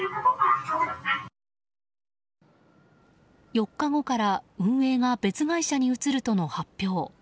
４日後から運営が別会社に移るとの発表。